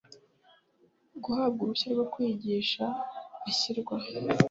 guhabwa uruhushya rwo kwigisha ashyirwa